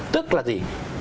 tức là gì